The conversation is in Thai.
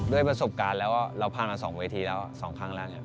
ด้วยประสบการณ์แล้วเราผ่านมา๒เวทีแล้ว๒ครั้งแล้วเนี่ย